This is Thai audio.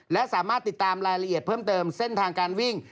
และสามารถติดตามรายละเอียดเพิ่มเติมเส้นทางการวิ่ง